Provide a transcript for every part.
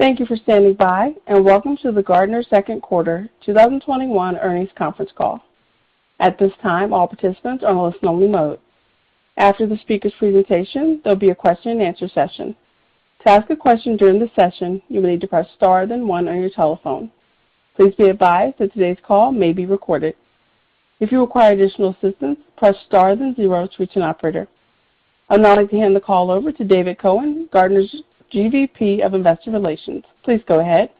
Thank you for standing by, and welcome to the Gartner second quarter 2021 earnings conference call. I'd now like to hand the call over to David Cohen, Gartner's GVP of Investor Relations. Please go ahead.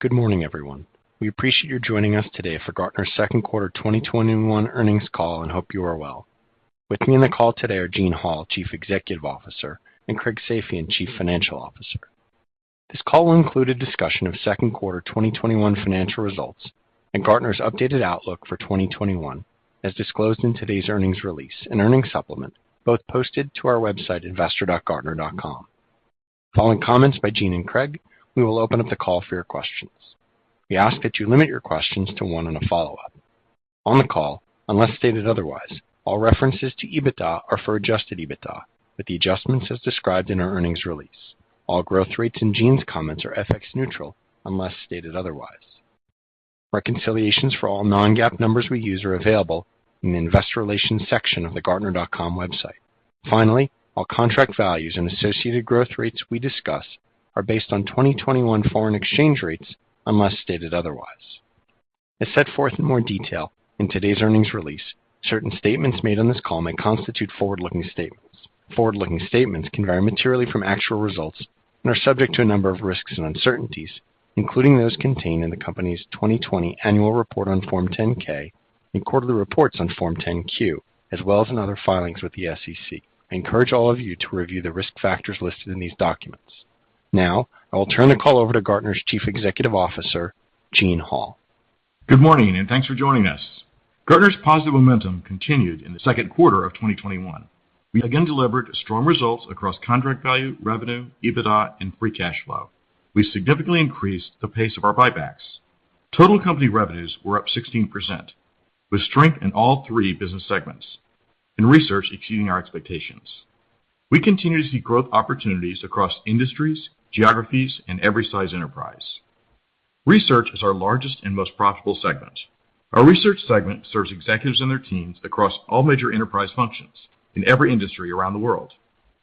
Good morning, everyone. We appreciate you joining us today for Gartner's second quarter 2021 earnings call, and hope you are well. With me on the call today are Gene Hall, Chief Executive Officer, and Craig Safian, Chief Financial Officer. This call will include a discussion of second quarter 2021 financial results and Gartner's updated outlook for 2021, as disclosed in today's earnings release and earnings supplement, both posted to our website, investor.gartner.com. Following comments by Gene and Craig, we will open up the call for your questions. We ask that you limit your questions to one and a follow-up. On the call, unless stated otherwise, all references to EBITDA are for adjusted EBITDA, with the adjustments as described in our earnings release. All growth rates in Gene's comments are FX neutral unless stated otherwise. Reconciliations for all non-GAAP numbers we use are available in the investor relations section of the gartner.com website. Finally, all contract values and associated growth rates we discuss are based on 2021 foreign exchange rates, unless stated otherwise. As set forth in more detail in today's earnings release, certain statements made on this call may constitute forward-looking statements. Forward-looking statements can vary materially from actual results and are subject to a number of risks and uncertainties, including those contained in the company's 2020 annual report on Form 10-K and quarterly reports on Form 10-Q, as well as in other filings with the SEC. I encourage all of you to review the risk factors listed in these documents. Now, I will turn the call over to Gartner's Chief Executive Officer, Gene Hall. Good morning, and thanks for joining us. Gartner's positive momentum continued in the second quarter of 2021. We again delivered strong results across contract value, revenue, EBITDA, and free cash flow. We significantly increased the pace of our buybacks. Total company revenues were up 16%, with strength in all three business segments, and research exceeding our expectations. We continue to see growth opportunities across industries, geographies, and every size enterprise. Research is our largest and most profitable segment. Our research segment serves executives and their teams across all major enterprise functions in every industry around the world.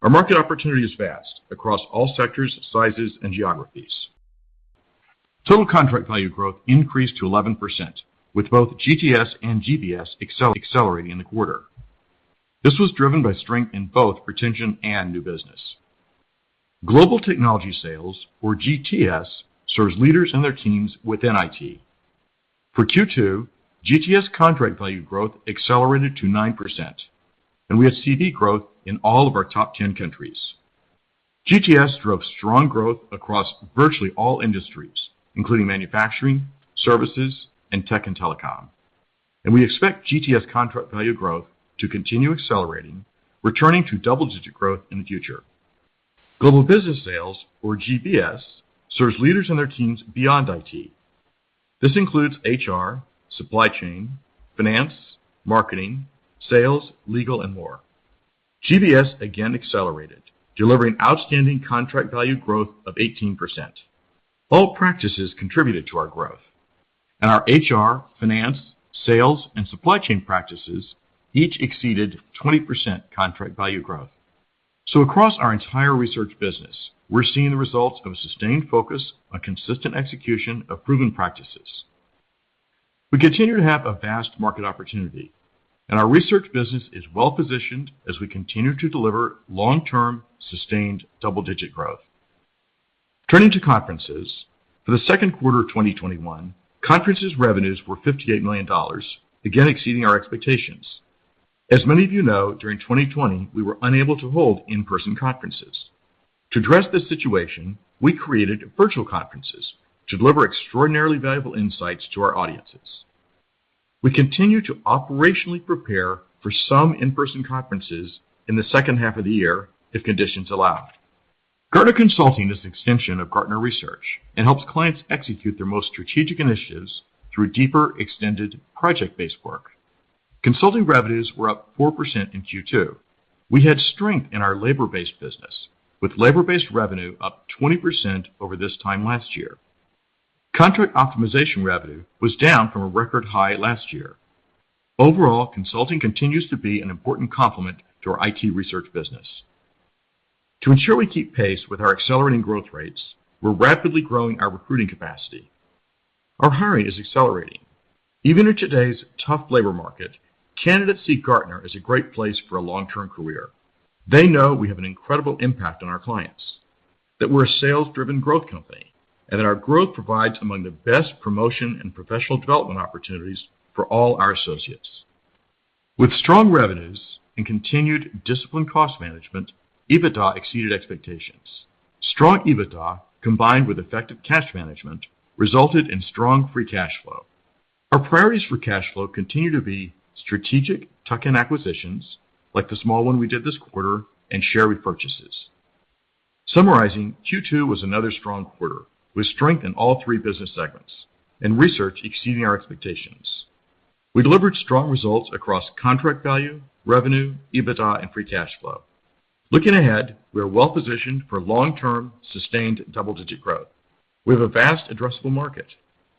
Our market opportunity is vast across all sectors, sizes, and geographies. Total contract value growth increased to 11%, with both GTS and GBS accelerating in the quarter. This was driven by strength in both retention and new business. Global Technology Sales, or GTS, serves leaders and their teams within IT. For Q2, GTS contract value growth accelerated to 9%. We had CV growth in all of our top 10 countries. GTS drove strong growth across virtually all industries, including manufacturing, services, and tech and telecom. We expect GTS contract value growth to continue accelerating, returning to double-digit growth in the future. Global Business Sales, or GBS, serves leaders and their teams beyond IT. This includes HR, supply chain, finance, marketing, sales, legal, and more. GBS again accelerated, delivering outstanding contract value growth of 18%. All practices contributed to our growth. Our HR, finance, sales, and supply chain practices each exceeded 20% contract value growth. Across our entire research business, we're seeing the results of a sustained focus on consistent execution of proven practices. We continue to have a vast market opportunity. Our research business is well-positioned as we continue to deliver long-term, sustained double-digit growth. Turning to conferences. For the second quarter of 2021, conferences revenues were $58 million, again exceeding our expectations. As many of you know, during 2020, we were unable to hold in-person conferences. To address this situation, we created virtual conferences to deliver extraordinarily valuable insights to our audiences. We continue to operationally prepare for some in-person conferences in the second half of the year if conditions allow. Gartner Consulting is an extension of Gartner Research and helps clients execute their most strategic initiatives through deeper, extended project-based work. Consulting revenues were up 4% in Q2. We had strength in our labor-based business, with labor-based revenue up 20% over this time last year. Contract optimization revenue was down from a record high last year. Overall, consulting continues to be an important complement to our IT research business. To ensure we keep pace with our accelerating growth rates, we're rapidly growing our recruiting capacity. Our hiring is accelerating. Even in today's tough labor market, candidates see Gartner as a great place for a long-term career. They know we have an incredible impact on our clients, that we're a sales-driven growth company, and that our growth provides among the best promotion and professional development opportunities for all our associates. With strong revenues and continued disciplined cost management, EBITDA exceeded expectations. Strong EBITDA, combined with effective cash management, resulted in strong free cash flow. Our priorities for cash flow continue to be strategic tuck-in acquisitions, like the small one we did this quarter, and share repurchases. Summarizing, Q2 was another strong quarter. We strengthened all three business segments and research exceeding our expectations. We delivered strong results across contract value, revenue, EBITDA, and free cash flow. Looking ahead, we are well-positioned for long-term, sustained double-digit growth. We have a vast addressable market.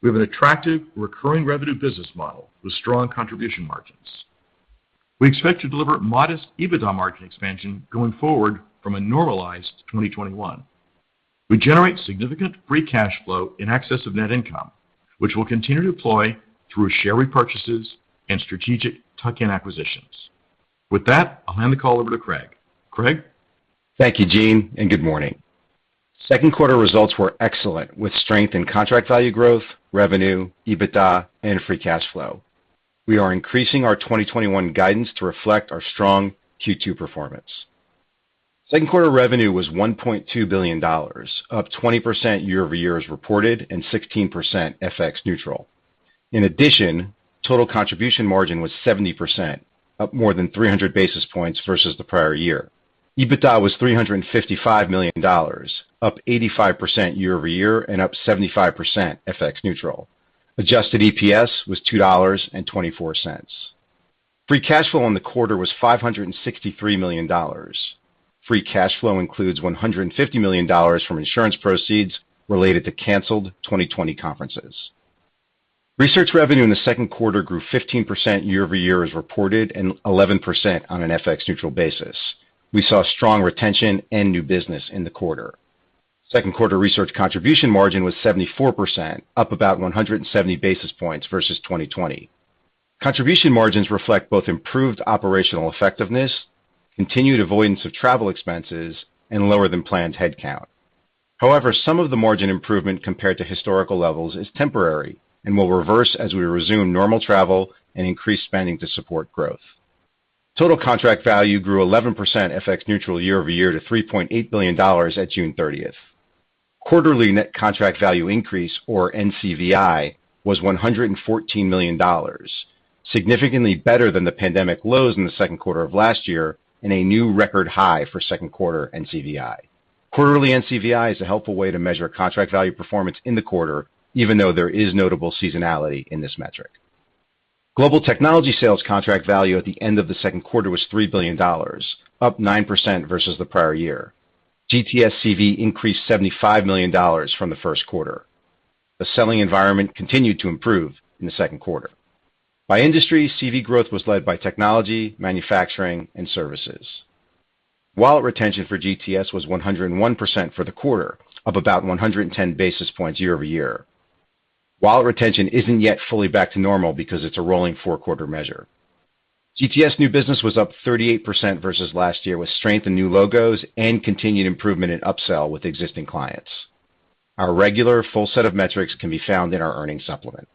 We have an attractive recurring revenue business model with strong contribution margins. We expect to deliver modest EBITDA margin expansion going forward from a normalized 2021. We generate significant free cash flow in excess of net income, which we'll continue to deploy through share repurchases and strategic tuck-in acquisitions. With that, I'll hand the call over to Craig. Craig? Thank you, Gene, and good morning. Second quarter results were excellent, with strength in contract value growth, revenue, EBITDA, and free cash flow. We are increasing our 2021 guidance to reflect our strong Q2 performance. Second quarter revenue was $1.2 billion, up 20% year-over-year as reported, and 16% FX neutral. Total contribution margin was 70%, up more than 300 basis points versus the prior year. EBITDA was $355 million, up 85% year-over-year, and up 75% FX neutral. Adjusted EPS was $2.24. Free cash flow in the quarter was $563 million. Free cash flow includes $150 million from insurance proceeds related to canceled 2020 conferences. Research revenue in the second quarter grew 15% year-over-year as reported, and 11% on an FX neutral basis. We saw strong retention and new business in the quarter. Second quarter research contribution margin was 74%, up about 170 basis points versus 2020. Contribution margins reflect both improved operational effectiveness, continued avoidance of travel expenses, and lower than planned headcount. However, some of the margin improvement compared to historical levels is temporary and will reverse as we resume normal travel and increase spending to support growth. Total contract value grew 11% FX neutral year-over-year to $3.8 billion at June 30th. Quarterly net contract value increase, or NCVI, was $114 million, significantly better than the pandemic lows in the second quarter of last year and a new record high for second quarter NCVI. Quarterly NCVI is a helpful way to measure contract value performance in the quarter, even though there is notable seasonality in this metric. Global Technology Sales contract value at the end of the second quarter was $3 billion, up 9% versus the prior year. GTS CV increased $75 million from the first quarter. The selling environment continued to improve in the second quarter. By industry, CV growth was led by technology, manufacturing, and services. Wallet retention for GTS was 101% for the quarter, up about 110 basis points year-over-year. Wallet retention isn't yet fully back to normal because it's a rolling four-quarter measure. GTS new business was up 38% versus last year, with strength in new logos and continued improvement in upsell with existing clients. Our regular full set of metrics can be found in our earnings supplement.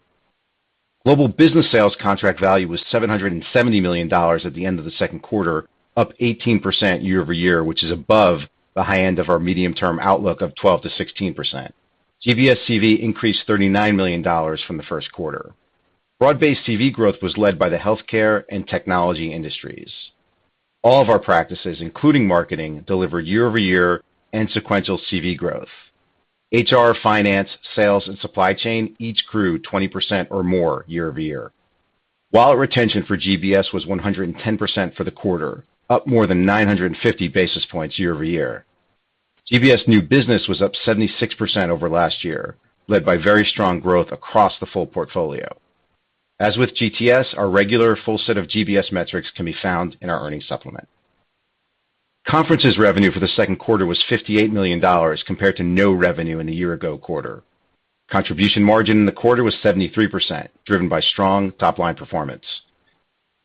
Global Business Sales contract value was $770 million at the end of the second quarter, up 18% year-over-year, which is above the high end of our medium-term outlook of 12%-16%. GBS CV increased $39 million from the first quarter. Broad-based CV growth was led by the healthcare and technology industries. All of our practices, including marketing, delivered year-over-year and sequential CV growth. HR, finance, sales, and supply chain each grew 20% or more year-over-year. Wallet retention for GBS was 110% for the quarter, up more than 950 basis points year-over-year. GBS new business was up 76% over last year, led by very strong growth across the full portfolio. As with GTS, our regular full set of GBS metrics can be found in our earnings supplement. Conferences revenue for the second quarter was $58 million compared to no revenue in the year ago quarter. Contribution margin in the quarter was 73%, driven by strong top-line performance.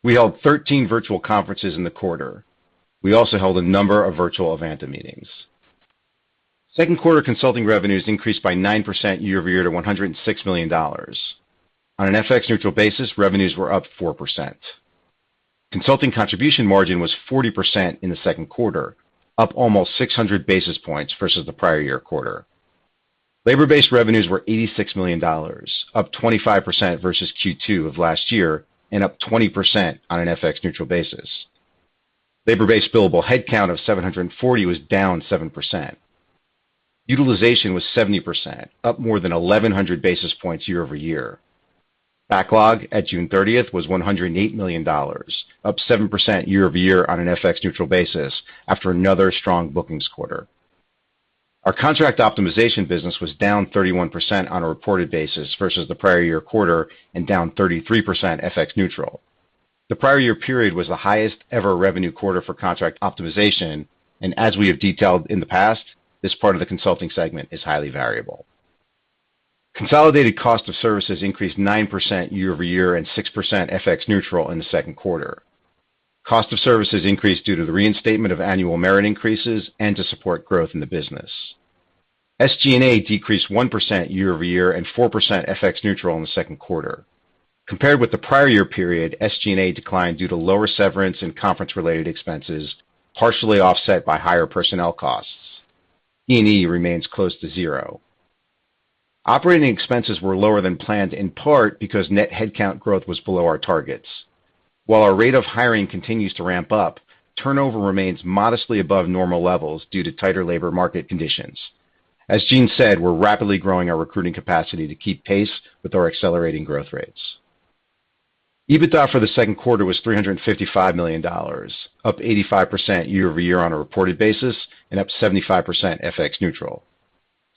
We held 13 virtual conferences in the quarter. We also held a number of virtual event meetings. Second quarter consulting revenues increased by 9% year-over-year to $106 million. On an FX neutral basis, revenues were up 4%. Consulting contribution margin was 40% in the second quarter, up almost 600 basis points versus the prior year quarter. Labor-based revenues were $86 million, up 25% versus Q2 of last year, and up 20% on an FX neutral basis. Labor-based billable headcount of 740 was down 7%. Utilization was 70%, up more than 1,100 basis points year-over-year. Backlog at June 30th was $108 million, up 7% year-over-year on an FX neutral basis after another strong bookings quarter. Our contract optimization business was down 31% on a reported basis versus the prior year quarter, and down 33% FX neutral. The prior year period was the highest-ever revenue quarter for contract optimization, and as we have detailed in the past, this part of the consulting segment is highly variable. Consolidated cost of services increased 9% year-over-year and 6% FX neutral in the second quarter. Cost of services increased due to the reinstatement of annual merit increases and to support growth in the business. SG&A decreased 1% year-over-year and 4% FX neutral in the second quarter. Compared with the prior year period, SG&A declined due to lower severance and conference-related expenses, partially offset by higher personnel costs. T&E remains close to zero. Operating expenses were lower than planned, in part because net headcount growth was below our targets. Our rate of hiring continues to ramp up, turnover remains modestly above normal levels due to tighter labor market conditions. As Gene said, we're rapidly growing our recruiting capacity to keep pace with our accelerating growth rates. EBITDA for the second quarter was $355 million, up 85% year-over-year on a reported basis and up 75% FX neutral.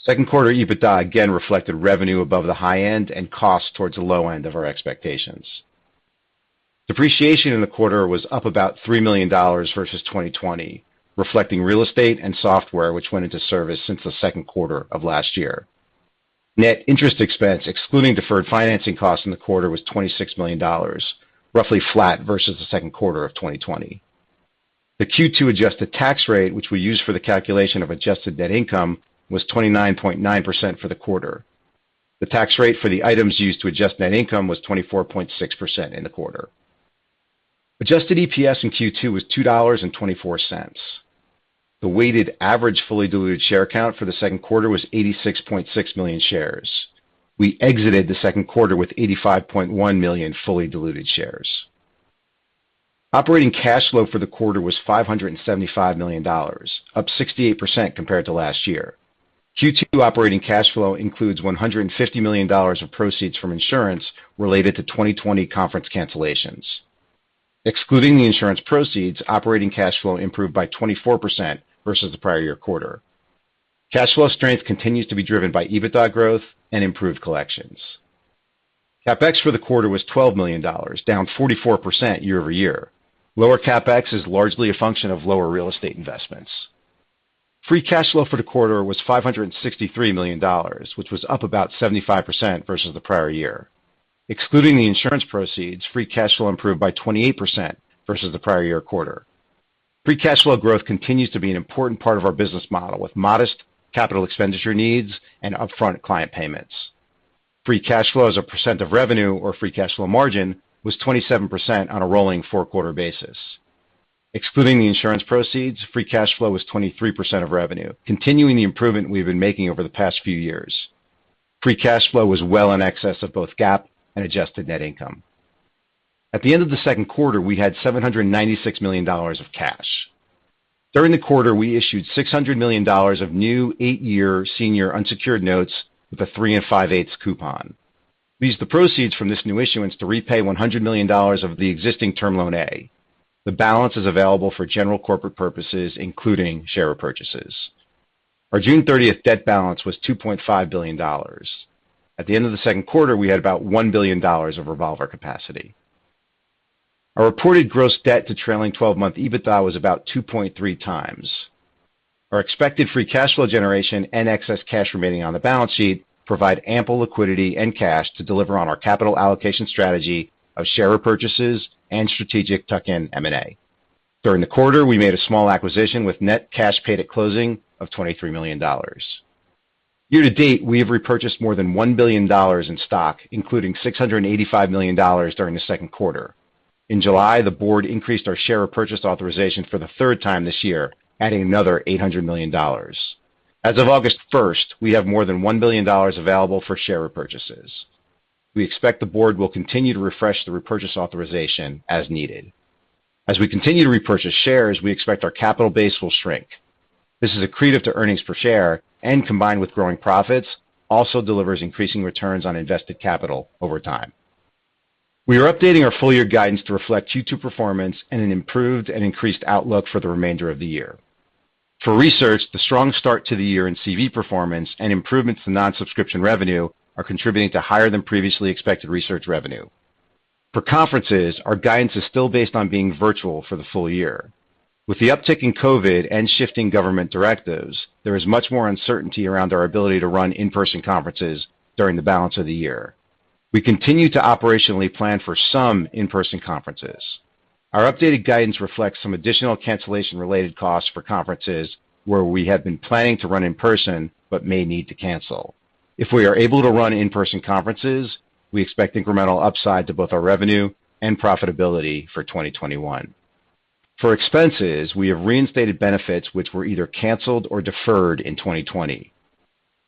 Second quarter EBITDA again reflected revenue above the high end and cost towards the low end of our expectations. Depreciation in the quarter was up about $3 million versus 2020, reflecting real estate and software, which went into service since the second quarter of last year. Net interest expense, excluding deferred financing costs in the quarter, was $26 million, roughly flat versus the second quarter of 2020. The Q2 adjusted tax rate, which we use for the calculation of adjusted net income, was 29.9% for the quarter. The tax rate for the items used to adjust net income was 24.6% in the quarter. Adjusted EPS in Q2 was $2.24. The weighted average fully diluted share count for the second quarter was 86.6 million shares. We exited the second quarter with 85.1 million fully diluted shares. Operating cash flow for the quarter was $575 million, up 68% compared to last year. Q2 operating cash flow includes $150 million of proceeds from insurance related to 2020 conference cancellations. Excluding the insurance proceeds, operating cash flow improved by 24% versus the prior year quarter. Cash flow strength continues to be driven by EBITDA growth and improved collections. CapEx for the quarter was $12 million, down 44% year-over-year. Lower CapEx is largely a function of lower real estate investments. Free cash flow for the quarter was $563 million, which was up about 75% versus the prior year. Excluding the insurance proceeds, free cash flow improved by 28% versus the prior year quarter. Free cash flow growth continues to be an important part of our business model, with modest capital expenditure needs and upfront client payments. Free cash flow as a percent of revenue or free cash flow margin was 27% on a rolling four-quarter basis. Excluding the insurance proceeds, free cash flow was 23% of revenue, continuing the improvement we've been making over the past few years. Free cash flow was well in excess of both GAAP and adjusted net income. At the end of the second quarter, we had $796 million of cash. During the quarter, we issued $600 million of new eight-year senior unsecured notes with a 3.625% coupon. We used the proceeds from this new issuance to repay $100 million of the existing Term Loan A. The balance is available for general corporate purposes, including share repurchases. Our June 30th debt balance was $2.5 billion. At the end of the second quarter, we had about $1 billion of revolver capacity. Our reported gross debt to trailing 12-month EBITDA was about 2.3 times. Our expected free cash flow generation and excess cash remaining on the balance sheet provide ample liquidity and cash to deliver on our capital allocation strategy of share repurchases and strategic tuck-in M&A. During the quarter, we made a small acquisition with net cash paid at closing of $23 million. year-to-date, we have repurchased more than $1 billion in stock, including $685 million during the second quarter. In July, the board increased our share repurchase authorization for the third time this year, adding another $800 million. As of August 1st, we have more than $1 billion available for share repurchases. We expect the board will continue to refresh the repurchase authorization as needed. As we continue to repurchase shares, we expect our capital base will shrink. This is accretive to earnings per share, and combined with growing profits, also delivers increasing returns on invested capital over time. We are updating our full-year guidance to reflect Q2 performance and an improved and increased outlook for the remainder of the year. For research, the strong start to the year in CV performance and improvements to non-subscription revenue are contributing to higher than previously expected research revenue. For conferences, our guidance is still based on being virtual for the full-year. With the uptick in COVID and shifting government directives, there is much more uncertainty around our ability to run in-person conferences during the balance of the year. We continue to operationally plan for some in-person conferences. Our updated guidance reflects some additional cancellation-related costs for conferences where we have been planning to run in person but may need to cancel. If we are able to run in-person conferences, we expect incremental upside to both our revenue and profitability for 2021. For expenses, we have reinstated benefits which were either canceled or deferred in 2020.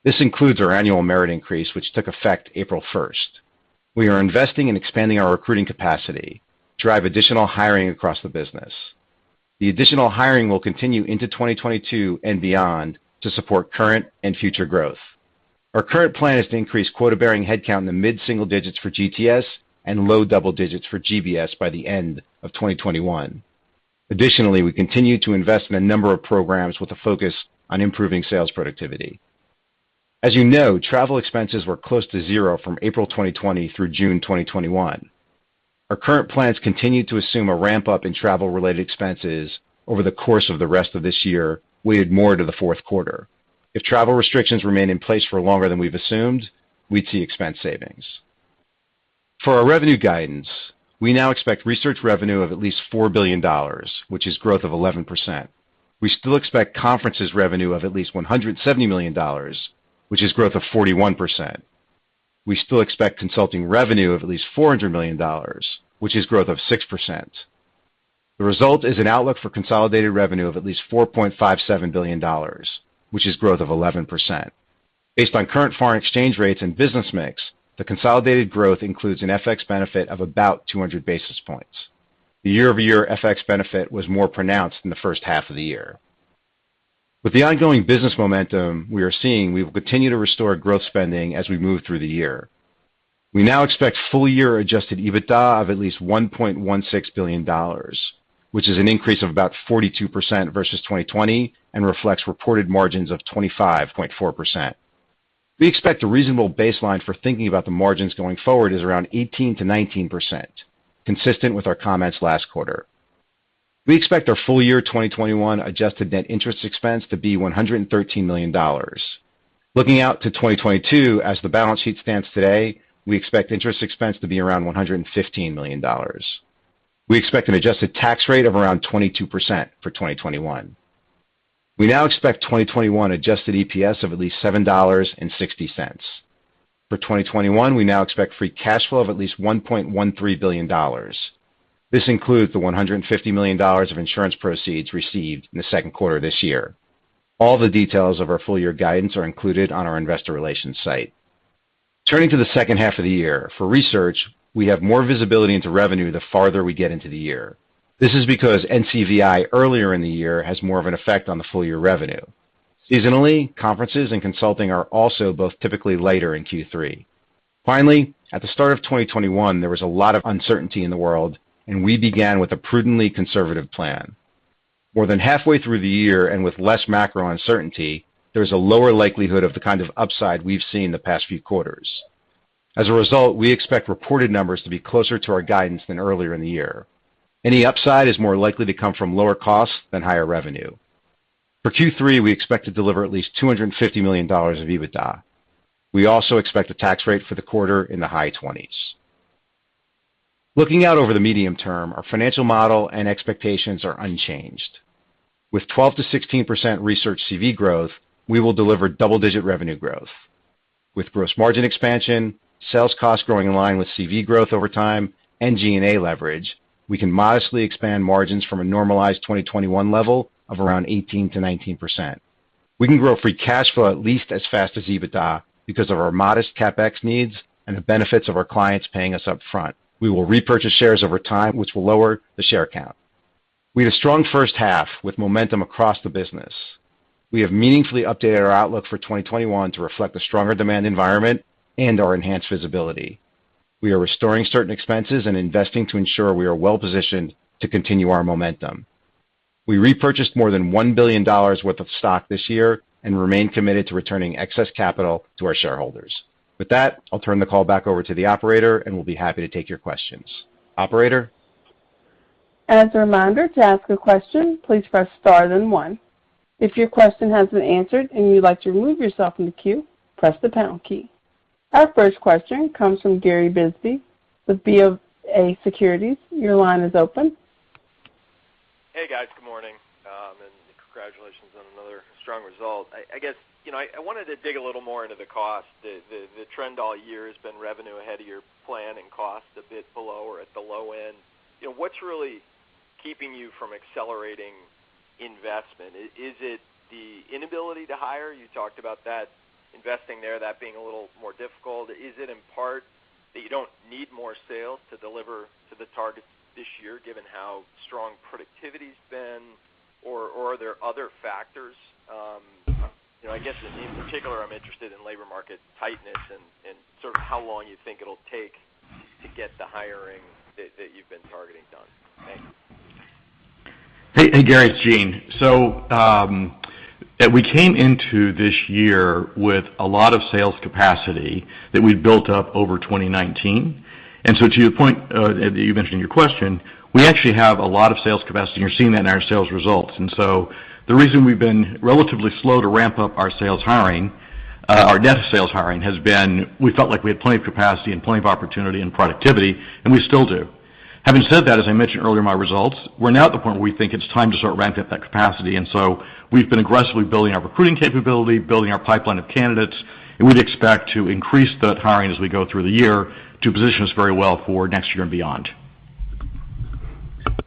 This includes our annual merit increase, which took effect April 1st. We are investing in expanding our recruiting capacity to drive additional hiring across the business. The additional hiring will continue into 2022 and beyond to support current and future growth. Our current plan is to increase quota-bearing headcount in the mid-single digits for GTS and low double digits for GBS by the end of 2021. Additionally, we continue to invest in a number of programs with a focus on improving sales productivity. As you know, travel expenses were close to zero from April 2020 through June 2021. Our current plans continue to assume a ramp-up in travel-related expenses over the course of the rest of this year, weighted more to the fourth quarter. If travel restrictions remain in place for longer than we've assumed, we'd see expense savings. For our revenue guidance, we now expect research revenue of at least $4 billion, which is growth of 11%. We still expect conferences revenue of at least $170 million, which is growth of 41%. We still expect consulting revenue of at least $400 million, which is growth of 6%. The result is an outlook for consolidated revenue of at least $4.57 billion, which is growth of 11%. Based on current foreign exchange rates and business mix, the consolidated growth includes an FX benefit of about 200 basis points. The year-over-year FX benefit was more pronounced in the first half of the year. With the ongoing business momentum we are seeing, we will continue to restore growth spending as we move through the year. We now expect full-year adjusted EBITDA of at least $1.16 billion, which is an increase of about 42% versus 2020 and reflects reported margins of 25.4%. We expect a reasonable baseline for thinking about the margins going forward is around 18%-19%, consistent with our comments last quarter. We expect our full-year 2021 adjusted net interest expense to be $113 million. Looking out to 2022, as the balance sheet stands today, we expect interest expense to be around $115 million. We expect an adjusted tax rate of around 22% for 2021. We now expect 2021 adjusted EPS of at least $7.60. For 2021, we now expect free cash flow of at least $1.13 billion. This includes the $150 million of insurance proceeds received in the second quarter of this year. All the details of our full-year guidance are included on our investor relations site. Turning to the second half of the year, for research, we have more visibility into revenue the farther we get into the year. This is because NCVI earlier in the year has more of an effect on the full-year revenue. Seasonally, conferences and consulting are also both typically lighter in Q3. Finally, at the start of 2021, there was a lot of uncertainty in the world, and we began with a prudently conservative plan. More than halfway through the year and with less macro uncertainty, there is a lower likelihood of the kind of upside we've seen the past few quarters. As a result, we expect reported numbers to be closer to our guidance than earlier in the year. Any upside is more likely to come from lower costs than higher revenue. For Q3, we expect to deliver at least $250 million of EBITDA. We also expect a tax rate for the quarter in the high 20s. Looking out over the medium term, our financial model and expectations are unchanged. With 12%-16% Research CV growth, we will deliver double-digit revenue growth. With gross margin expansion, sales costs growing in line with CV growth over time, and G&A leverage, we can modestly expand margins from a normalized 2021 level of around 18%-19%. We can grow free cash flow at least as fast as EBITDA because of our modest CapEx needs and the benefits of our clients paying us upfront. We will repurchase shares over time, which will lower the share count. We had a strong first half with momentum across the business. We have meaningfully updated our outlook for 2021 to reflect the stronger demand environment and our enhanced visibility. We are restoring certain expenses and investing to ensure we are well-positioned to continue our momentum. We repurchased more than $1 billion worth of stock this year and remain committed to returning excess capital to our shareholders. With that, I'll turn the call back over to the operator, and we'll be happy to take your questions. Operator? As a reminder, to ask a question, please press star then one. If your question has been answered and you'd like to remove yourself from the queue, press the pound key. Our first question comes from Gary Bisbee with Bank of America Securities. Your line is open. Hey, guys. Good morning, congratulations on another strong result. I wanted to dig a little more into the cost. The trend all year has been revenue ahead of your plan and cost a bit below or at the low end. What's really keeping you from accelerating investment? Is it the inability to hire? You talked about that, investing there, that being a little more difficult. Is it in part that you don't need more sales to deliver to the targets this year, given how strong productivity's been? Are there other factors? I guess in particular, I'm interested in labor market tightness and sort of how long you think it'll take to get the hiring that you've been targeting done. Thanks. Hey, Gary, it's Gene. We came into this year with a lot of sales capacity that we'd built up over 2019. To your point that you mentioned in your question, we actually have a lot of sales capacity, and you're seeing that in our sales results. The reason we've been relatively slow to ramp up our net sales hiring has been we felt like we had plenty of capacity and plenty of opportunity and productivity, and we still do. Having said that, as I mentioned earlier in my results, we're now at the point where we think it's time to sort of ramp up that capacity. We've been aggressively building our recruiting capability, building our pipeline of candidates, and we'd expect to increase that hiring as we go through the year to position us very well for next year and beyond.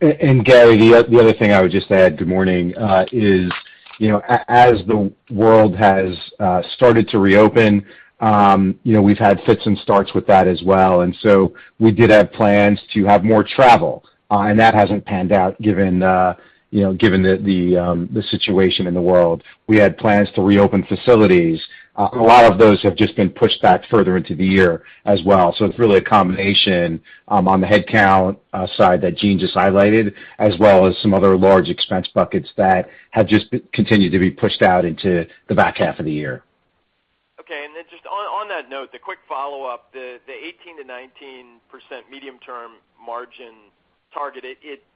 Gary, the other thing I would just add, good morning, is as the world has started to reopen, we've had fits and starts with that as well. We did have plans to have more travel, and that hasn't panned out given the situation in the world. We had plans to reopen facilities. A lot of those have just been pushed back further into the year as well. It's really a combination on the headcount side that Gene just highlighted, as well as some other large expense buckets that have just continued to be pushed out into the back half of the year. Okay. Just on that note, the quick follow-up, the 18%-19% medium-term margin target,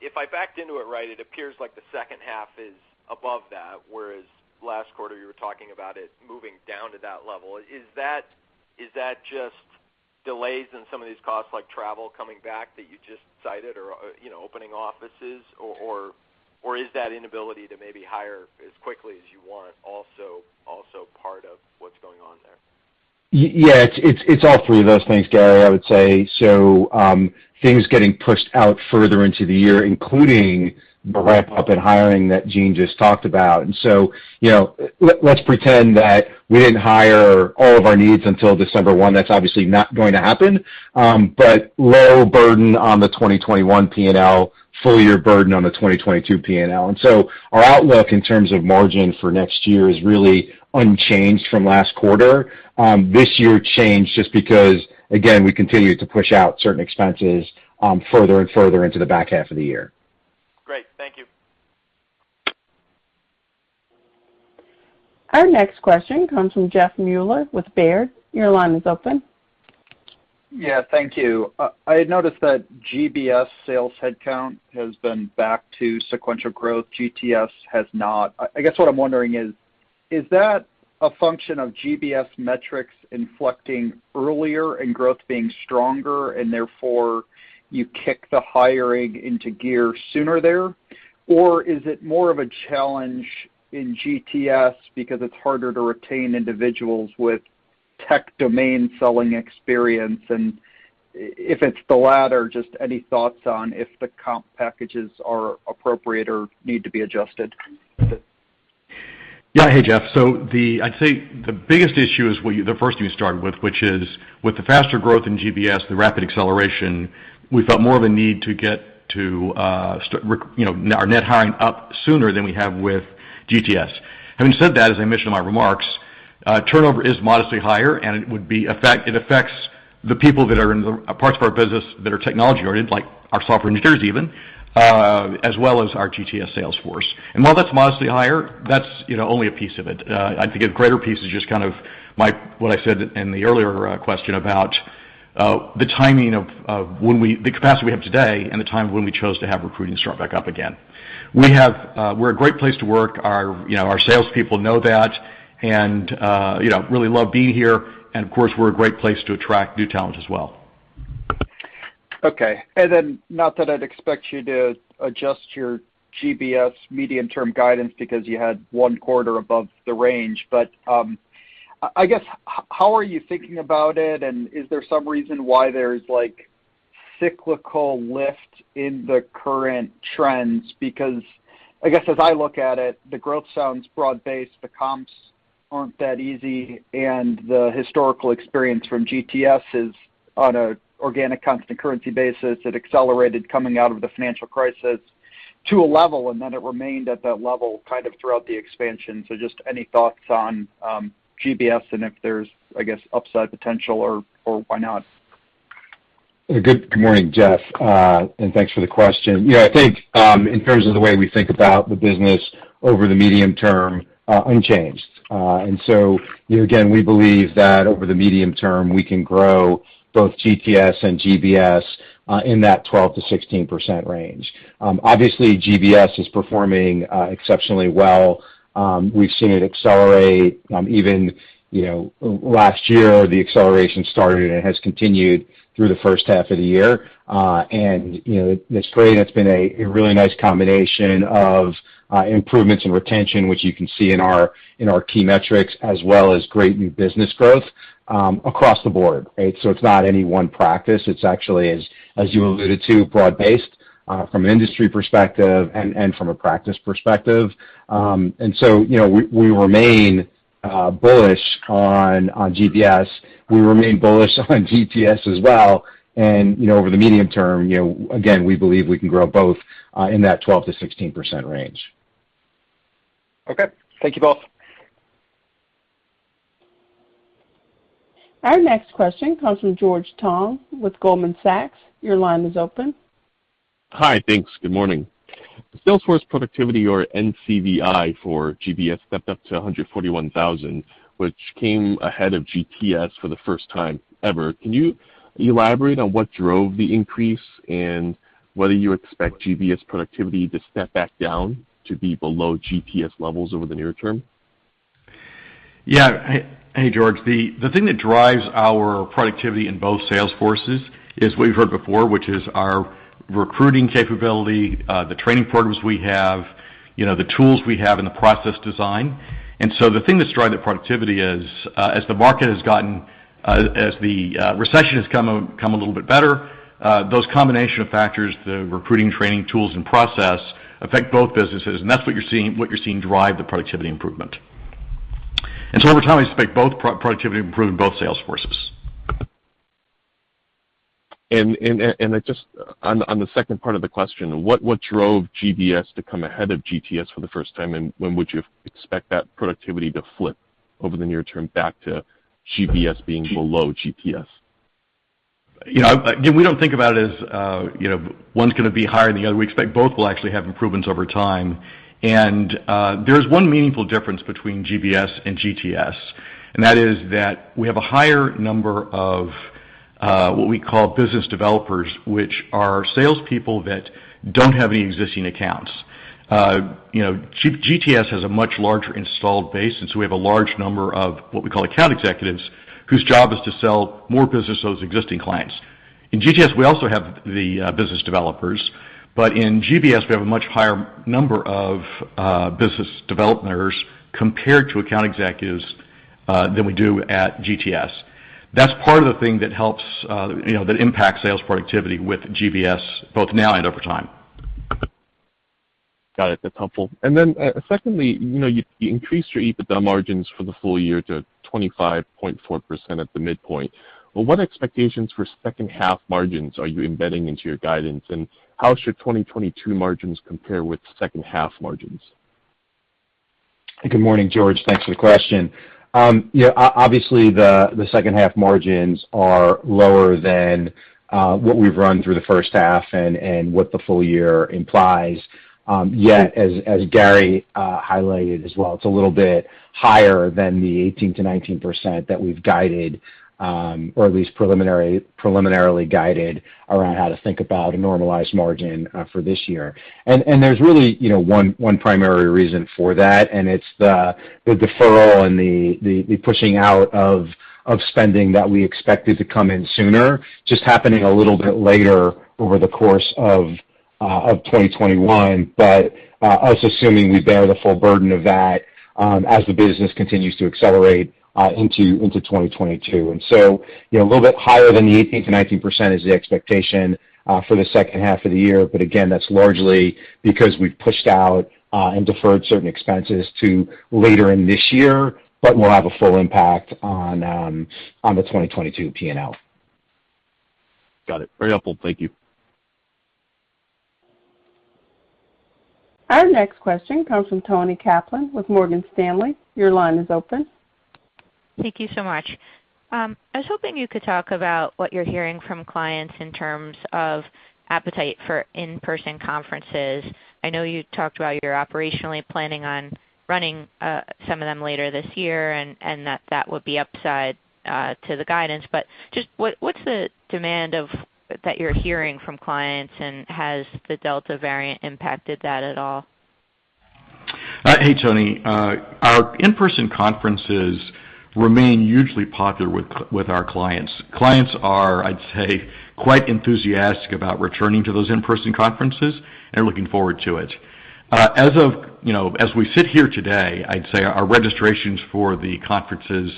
if I backed into it right, it appears like the second half is above that, whereas last quarter you were talking about it moving down to that level. Is that just delays in some of these costs like travel coming back that you just cited or opening offices? Is that inability to maybe hire as quickly as you want also part of what's going on there? It's all three of those things, Gary, I would say. Things getting pushed out further into the year, including the ramp-up in hiring that Gene just talked about. Let's pretend that we didn't hire all of our needs until December 1st. That's obviously not going to happen. Low burden on the 2021 P&L, full-year burden on the 2022 P&L. Our outlook in terms of margin for next year is really unchanged from last quarter. This year changed just because, again, we continued to push out certain expenses further and further into the back half of the year. Great, thank you. Our next question comes from Jeff Meuler with Baird. Your line is open. Yeah, thank you. I had noticed that GBS sales headcount has been back to sequential growth. GTS has not. I guess what I'm wondering is that a function of GBS metrics inflecting earlier and growth being stronger and therefore you kick the hiring into gear sooner there? Or is it more of a challenge in GTS because it's harder to retain individuals with tech domain selling experience? If it's the latter, just any thoughts on if the comp packages are appropriate or need to be adjusted? Yeah. Hey, Jeff. I'd say the first thing we started with, which is with the faster growth in GBS, the rapid acceleration, we felt more of a need to get to our net hiring up sooner than we have with GTS. Having said that, as I mentioned in my remarks, turnover is modestly higher, and it affects the people that are in the parts of our business that are technology-oriented, like our software engineers even, as well as our GTS sales force. While that's modestly higher, that's only a piece of it. I think a greater piece is just what I said in the earlier question about the capacity we have today and the time when we chose to have recruiting start back up again. We're a great place to work, our salespeople know that and really love being here. Of course, we're a great place to attract new talent as well. Okay. Not that I'd expect you to adjust your GBS medium-term guidance because you had one quarter above the range, but, I guess, how are you thinking about it, and is there some reason why there's cyclical lift in the current trends? I guess as I look at it, the growth sounds broad-based, the comps aren't that easy, and the historical experience from GTS is on an organic constant currency basis. It accelerated coming out of the financial crisis to a level, and then it remained at that level kind of throughout the expansion. Just any thoughts on GBS and if there's, I guess, upside potential or why not? Good morning, Jeff, thanks for the question. I think, in terms of the way we think about the business over the medium term, unchanged. Again, we believe that over the medium term, we can grow both GTS and GBS in that 12%-16% range. Obviously, GBS is performing exceptionally well. We've seen it accelerate. Even last year, the acceleration started and has continued through the first half of the year. That's great, and it's been a really nice combination of improvements in retention, which you can see in our key metrics, as well as great new business growth across the board, right? It's not any one practice. It's actually, as you alluded to, broad-based from an industry perspective and from a practice perspective. We remain bullish on GBS. We remain bullish on GTS as well. Over the medium term, again, we believe we can grow both in that 12%-16% range. Okay. Thank you both. Our next question comes from George Tong with Goldman Sachs. Your line is open. Hi. Thanks. Good morning. Salesforce productivity or NCVI for GBS stepped up to 141,000, which came ahead of GTS for the first time ever. Can you elaborate on what drove the increase and whether you expect GBS productivity to step back down to be below GTS levels over the near term? Yeah. Hey, George. The thing that drives our productivity in both sales forces is what you've heard before, which is our recruiting capability, the training programs we have, the tools we have, and the process design. The thing that's driving the productivity is as the recession has become a little bit better, those combination of factors, the recruiting, training, tools, and process affect both businesses. That's what you're seeing drive the productivity improvement. Over time, I expect productivity to improve in both sales forces. Just on the second part of the question, what drove GBS to come ahead of GTS for the first time, and when would you expect that productivity to flip over the near term back to GBS being below GTS? We don't think about it as one's going to be higher than the other. We expect both will actually have improvements over time. There's one meaningful difference between GBS and GTS, and that is that we have a higher number of what we call business developers, which are salespeople that don't have any existing accounts. GTS has a much larger installed base, we have a large number of what we call account executives, whose job is to sell more business to those existing clients. In GTS, we also have the business developers, in GBS, we have a much higher number of business developers compared to account executives than we do at GTS. That's part of the thing that helps, that impacts sales productivity with GBS, both now and over time. Got it, that's helpful. Secondly, you increased your EBITDA margins for the full-year to 25.4% at the midpoint. What expectations for second half margins are you embedding into your guidance, and how should 2022 margins compare with second half margins? Good morning, George. Thanks for the question. Obviously, the second half margins are lower than what we've run through the first half and what the full-year implies. As Gary highlighted as well, it's a little bit higher than the 18%-19% that we've guided, or at least preliminarily guided, around how to think about a normalized margin for this year. There's really one primary reason for that, and it's the deferral and the pushing out of spending that we expected to come in sooner, just happening a little bit later over the course of 2021. Also assuming we bear the full burden of that as the business continues to accelerate into 2022. A little bit higher than the 18%-19% is the expectation for the second half of the year. Again, that's largely because we've pushed out and deferred certain expenses to later in this year, but will have a full impact on the 2022 P&L. Got it. Very helpful, thank you. Our next question comes from Toni Kaplan with Morgan Stanley. Your line is open. Thank you so much. I was hoping you could talk about what you're hearing from clients in terms of appetite for in-person conferences. I know you talked about you're operationally planning on running some of them later this year and that that would be upside to the guidance. Just what's the demand that you're hearing from clients, and has the Delta variant impacted that at all? Hey, Toni. Our in-person conferences remain hugely popular with our clients. Clients are, I'd say, quite enthusiastic about returning to those in-person conferences and are looking forward to it. As we sit here today, I'd say our registrations for the conferences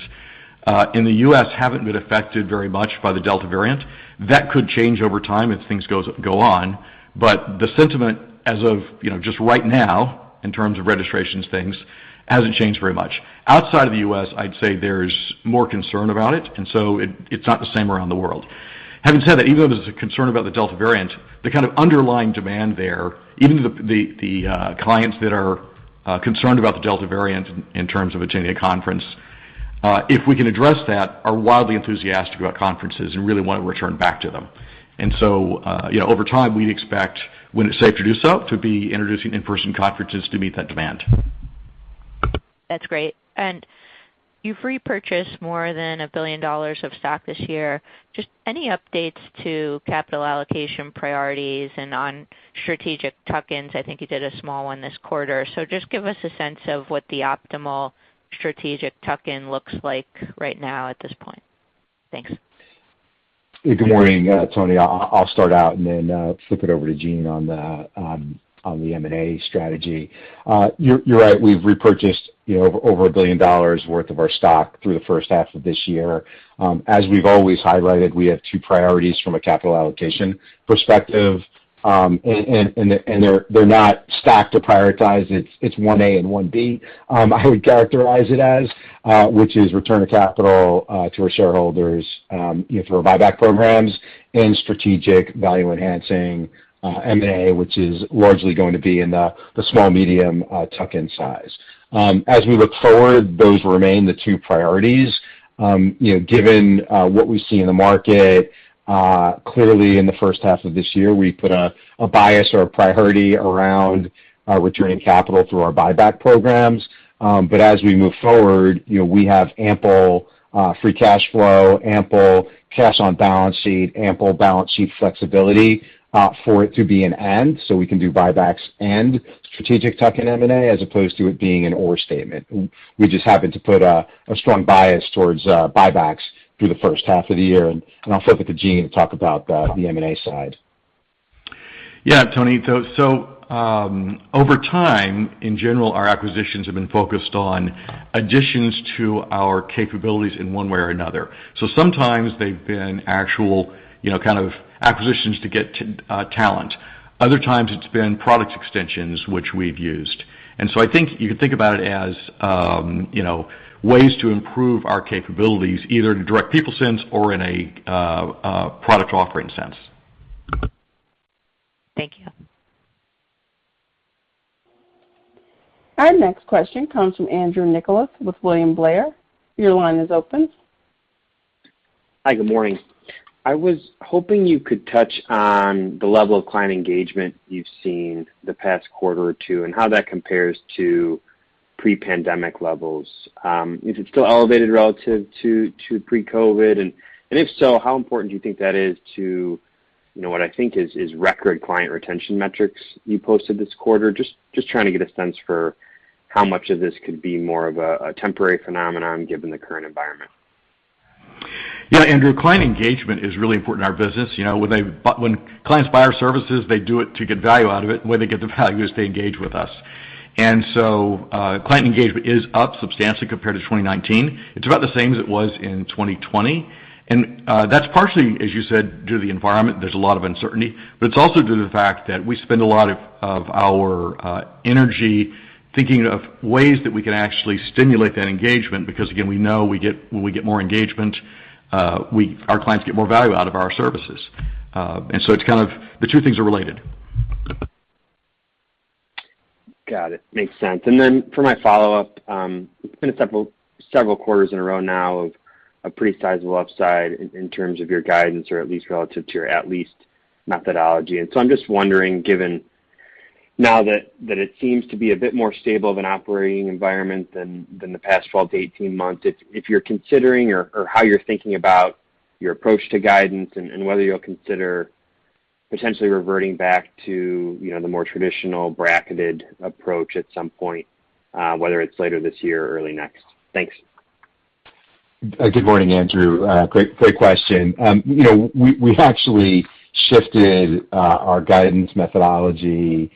in the U.S. haven't been affected very much by the Delta variant. That could change over time as things go on. The sentiment as of just right now, in terms of registrations things, hasn't changed very much. Outside of the U.S., I'd say there's more concern about it, and so it's not the same around the world. Having said that, even though there's a concern about the Delta variant, the kind of underlying demand there, even the clients that are concerned about the Delta variant in terms of attending a conference, if we can address that, are wildly enthusiastic about conferences and really want to return back to them. Over time we'd expect, when it's safe to do so, to be introducing in-person conferences to meet that demand. That's great. You've repurchased more than $1 billion of stock this year. Just any updates to capital allocation priorities and on strategic tuck-ins? I think you did a small one this quarter. Just give us a sense of what the optimal strategic tuck-in looks like right now at this point. Thanks. Good morning, Toni. I'll start out and then flip it over to Gene on the M&A strategy. You're right, we've repurchased over $1 billion worth of our stock through the first half of this year. As we've always highlighted, we have two priorities from a capital allocation perspective. They're not stacked or prioritized. It's 1A and 1B, I would characterize it as, which is return of capital to our shareholders through our buyback programs and strategic value-enhancing M&A, which is largely going to be in the small, medium tuck-in size. As we look forward, those remain the two priorities. Given what we see in the market, clearly in the first half of this year, we put a bias or a priority around returning capital through our buyback programs. As we move forward, we have ample free cash flow, ample cash on balance sheet, ample balance sheet flexibility for it to be an and, so we can do buybacks and strategic tuck-in M&A, as opposed to it being an or statement. We just happened to put a strong bias towards buybacks through the first half of the year, and I'll flip it to Gene to talk about the M&A side. Yeah, Toni. Over time, in general, our acquisitions have been focused on additions to our capabilities in one way or another. Sometimes they've been actual kind of acquisitions to get talent. Other times it's been product extensions which we've used. I think you can think about it as ways to improve our capabilities, either in a direct people sense or in a product offering sense. Thank you. Our next question comes from Andrew Nicholas with William Blair. Your line is open. Hi, good morning. I was hoping you could touch on the level of client engagement you've seen the past quarter or two, and how that compares to pre-pandemic levels. Is it still elevated relative to pre-COVID? And if so, how important do you think that is to what I think is record client retention metrics you posted this quarter? Just trying to get a sense for how much of this could be more of a temporary phenomenon given the current environment. Yeah, Andrew, client engagement is really important in our business. When clients buy our services, they do it to get value out of it, and the way they get the value is they engage with us. Client engagement is up substantially compared to 2019. It's about the same as it was in 2020, and that's partially, as you said, due to the environment, there's a lot of uncertainty. It's also due to the fact that we spend a lot of our energy thinking of ways that we can actually stimulate that engagement, because again, we know when we get more engagement, our clients get more value out of our services. The two things are related. Got it, makes sense. Then for my follow-up, it's been several quarters in a row now of a pretty sizable upside in terms of your guidance, or at least relative to your at least methodology. I'm just wondering, given now that it seems to be a bit more stable of an operating environment than the past 12-18 months, if you're considering, or how you're thinking about your approach to guidance and whether you'll consider potentially reverting back to the more traditional bracketed approach at some point, whether it's later this year or early next. Thanks. Good morning, Andrew. Great question. We actually shifted our guidance methodology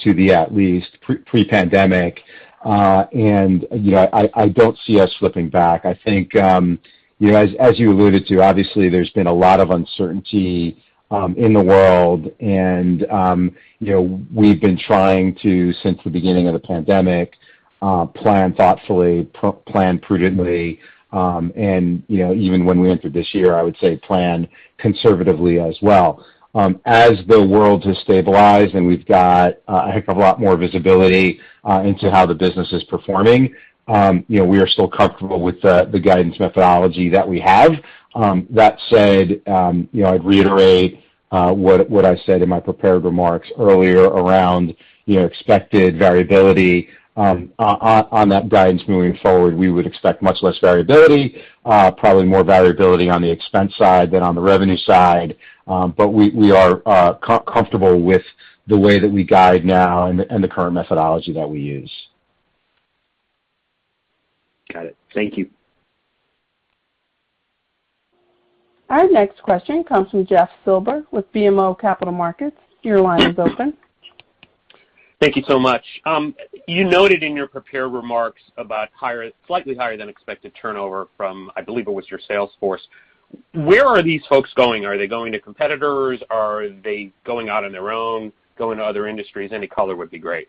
to the at least pre-pandemic. I don't see us flipping back. I think, as you alluded to, obviously, there's been a lot of uncertainty in the world, and we've been trying to, since the beginning of the pandemic, plan thoughtfully, plan prudently, and even when we entered this year, I would say plan conservatively as well. The world has stabilized and we've got a heck of a lot more visibility into how the business is performing, we are still comfortable with the guidance methodology that we have. That said, I'd reiterate what I said in my prepared remarks earlier around expected variability on that guidance moving forward. We would expect much less variability, probably more variability on the expense side than on the revenue side. We are comfortable with the way that we guide now and the current methodology that we use. Got it, thank you. Our next question comes from Jeff Silber with BMO Capital Markets. Your line is open. Thank you so much. You noted in your prepared remarks about slightly higher than expected turnover from, I believe it was your sales force. Where are these folks going? Are they going to competitors? Are they going out on their own, going to other industries? Any color would be great.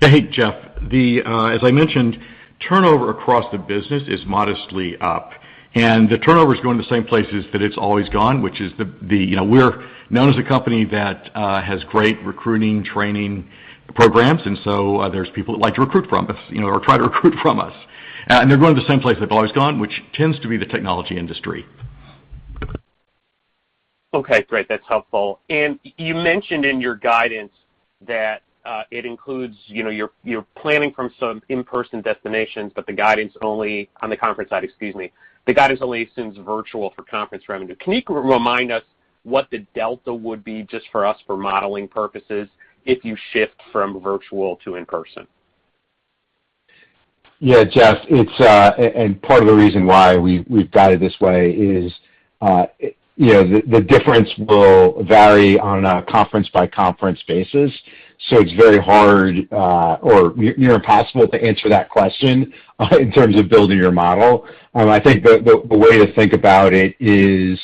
Hey, Jeff. As I mentioned, turnover across the business is modestly up. The turnover is going the same places that it's always gone, which is we're known as a company that has great recruiting, training programs. There's people that like to recruit from us, or try to recruit from us. They're going to the same place they've always gone, which tends to be the technology industry. Okay, great. That's helpful. You mentioned in your guidance that it includes your planning from some in-person destinations, but the guidance only on the conference side, excuse me. The guidance only assumes virtual for conference revenue. Can you remind us what the delta would be, just for us for modeling purposes, if you shift from virtual to in-person? Yeah, Jeff. Part of the reason why we've guided this way is the difference will vary on a conference-by-conference basis, so it's very hard, or near impossible to answer that question in terms of building your model. I think the way to think about it is,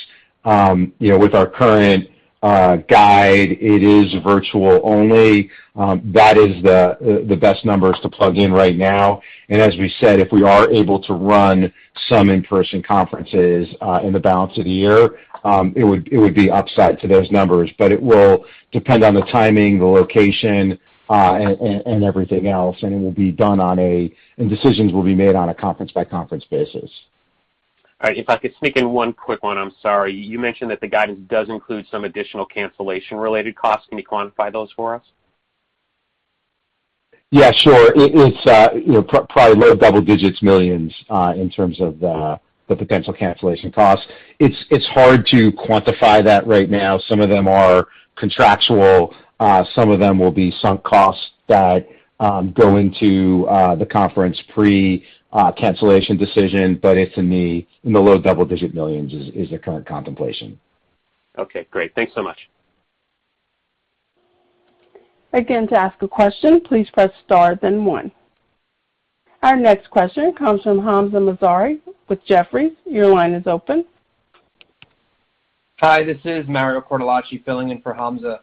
with our current guide, it is virtual only. That is the best numbers to plug in right now. As we said, if we are able to run some in-person conferences in the balance of the year, it would be upside to those numbers. It will depend on the timing, the location, and everything else, and decisions will be made on a conference-by-conference basis. All right. If I could sneak in one quick one, I'm sorry. You mentioned that the guidance does include some additional cancellation-related costs. Can you quantify those for us? Sure. It's probably low double digits millions, in terms of the potential cancellation costs. It's hard to quantify that right now. Some of them are contractual. Some of them will be sunk costs that go into the conference pre-cancellation decision, but it's in the low double-digit millions is the current contemplation. Okay, great. Thanks so much. Our next question comes from Hamzah Mazari with Jefferies. Hi, this is Mario Cortellacci filling in for Hamzah.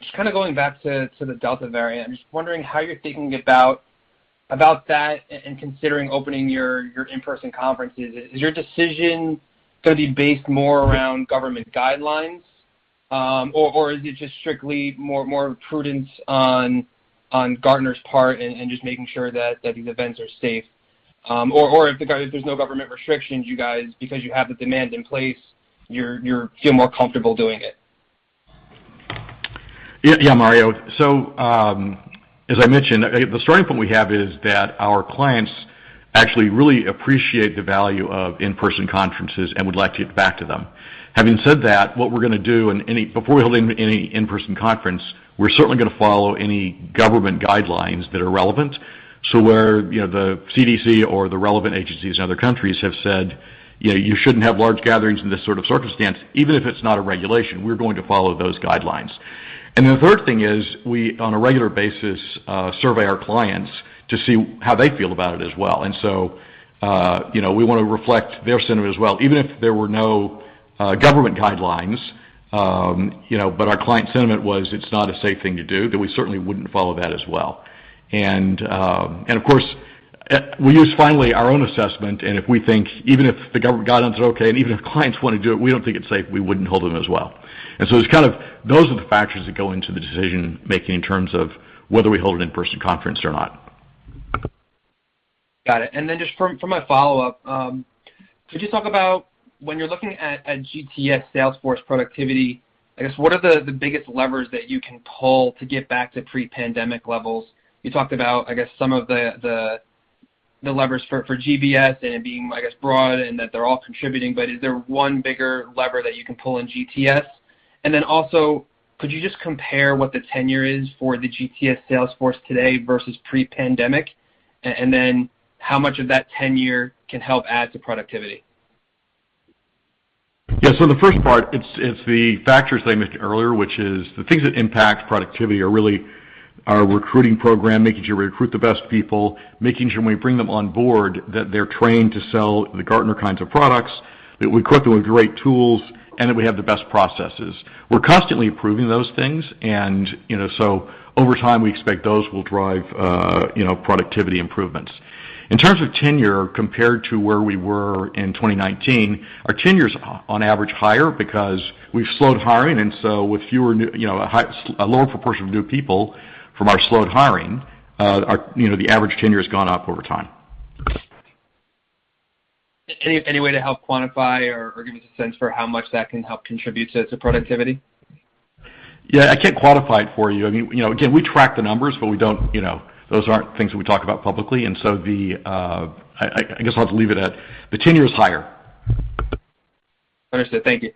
Just going back to the Delta variant. I'm just wondering how you're thinking about that and considering opening your in-person conferences. Is your decision going to be based more around government guidelines? Is it just strictly more prudence on Gartner's part and just making sure that these events are safe? If there's no government restrictions, you guys, because you have the demand in place, you feel more comfortable doing it? Hi, Mario. As I mentioned, the starting point we have is that our clients actually really appreciate the value of in-person conferences and would like to get back to them. Having said that, what we're going to do, and before we hold any in-person conference, we're certainly going to follow any government guidelines that are relevant. Where the CDC or the relevant agencies in other countries have said, "You shouldn't have large gatherings in this sort of circumstance," even if it's not a regulation, we're going to follow those guidelines. The third thing is we, on a regular basis, survey our clients to see how they feel about it as well. We want to reflect their sentiment as well. Even if there were no government guidelines, but our client sentiment was it's not a safe thing to do, we certainly wouldn't follow that as well. Of course, we use, finally, our own assessment, and if we think, even if the government guidelines are okay, and even if clients want to do it, we don't think it's safe, we wouldn't hold them as well. Those are the factors that go into the decision-making in terms of whether we hold an in-person conference or not. Got it. Just for my follow-up, could you talk about when you're looking at GTS sales force productivity, I guess, what are the biggest levers that you can pull to get back to pre-pandemic levels? You talked about, I guess, some of the levers for GBS and it being, I guess, broad and that they're all contributing, but is there one bigger lever that you can pull in GTS? Also, could you just compare what the tenure is for the GTS sales force today versus pre-pandemic, and then how much of that tenure can help add to productivity? The first part, it's the factors that I mentioned earlier, which is the things that impact productivity are really our recruiting program, making sure we recruit the best people, making sure when we bring them on board, that they're trained to sell the Gartner kinds of products, that we equip them with great tools, and that we have the best processes. We're constantly improving those things. Over time, we expect those will drive productivity improvements. In terms of tenure, compared to where we were in 2019, our tenure's on average higher because we've slowed hiring. With a lower proportion of new people from our slowed hiring, the average tenure has gone up over time. Any way to help quantify or give us a sense for how much that can help contribute to productivity? Yeah, I can't quantify it for you. Again, we track the numbers, but those aren't things that we talk about publicly. I guess I'll have to leave it at, the tenure is higher. Understood, thank you.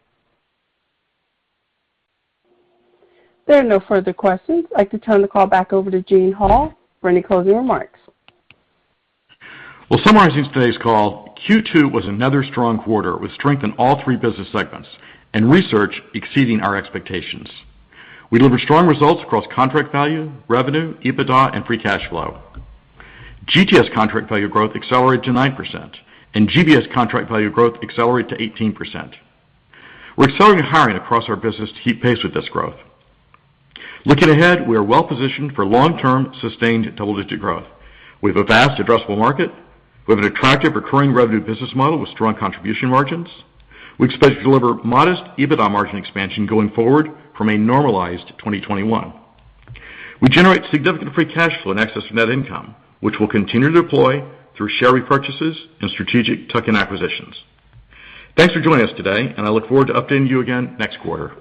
There are no further questions. I'd like to turn the call back over to Gene Hall for any closing remarks. Well, summarizing today's call, Q2 was another strong quarter with strength in all three business segments, and research exceeding our expectations. We delivered strong results across contract value, revenue, EBITDA, and free cash flow. GTS contract value growth accelerated to 9%, and GBS contract value growth accelerated to 18%. We're accelerating hiring across our business to keep pace with this growth. Looking ahead, we are well-positioned for long-term, sustained double-digit growth. We have a vast addressable market. We have an attractive recurring revenue business model with strong contribution margins. We expect to deliver modest EBITDA margin expansion going forward from a normalized 2021. We generate significant free cash flow in excess of net income, which we'll continue to deploy through share repurchases and strategic tuck-in acquisitions. Thanks for joining us today, and I look forward to updating you again next quarter.